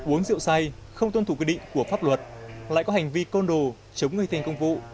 uống rượu say không tuân thủ quy định của pháp luật lại có hành vi côn đồ chống người thành công vụ